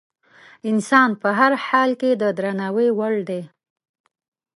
انسان په هر حال کې د درناوي وړ دی.